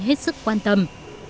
hết sức quan tâm